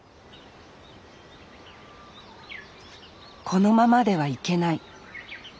このままではいけない。